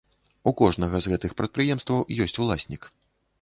У кожнага з гэтых прадпрыемстваў ёсць уласнік.